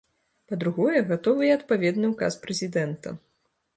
Па-другое, гатовы і адпаведны ўказ прэзідэнта.